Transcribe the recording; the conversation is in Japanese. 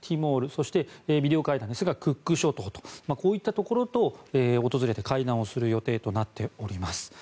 そして、ビデオ会談ですがクック諸島とこういったところを訪れて会談をする予定となっています。